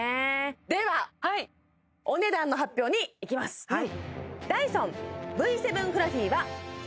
ではお値段の発表にいきます安っ！